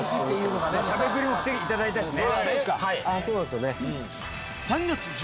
『しゃべくり』にも来ていただいたしね。